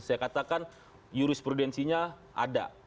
saya katakan jurisprudensinya ada